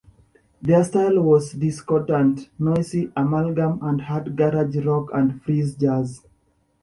Their style was a discordant, noisy amalgam of hard garage rock and free jazz.